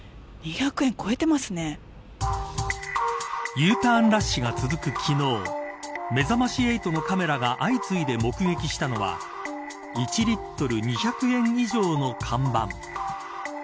Ｕターンラッシュが続く昨日めざまし８のカメラが相次いで目撃したのは１リットル２００円以上の看板。